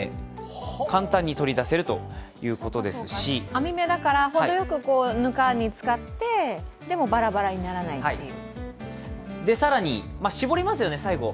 網目だからほどよくぬかに使ってでもバラバラにならないという。